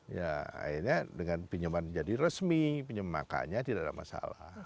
ya akhirnya dengan pinjaman jadi resmi pinjam makanya tidak ada masalah